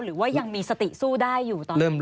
หรือว่ายังมีสติสู้ได้อยู่ตอนนี้